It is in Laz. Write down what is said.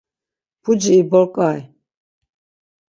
Puci iborǩay.